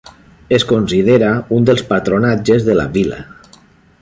Es considera un dels patronatges de la vila.